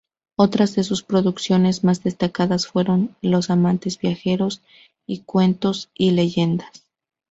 Otras de sus producciones más destacadas fueron "Los amantes viajeros" y "Cuentos y leyendas".